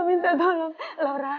seseorang hidupnya mudah atau usia atau